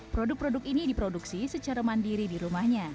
produk produk ini diproduksi secara mandiri di rumahnya